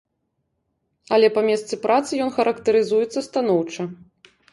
Але па месцы працы ён характарызуецца станоўча.